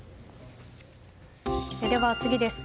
では、次です。